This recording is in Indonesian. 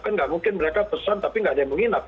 kan nggak mungkin mereka pesan tapi nggak ada yang menginap